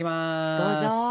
どうぞ！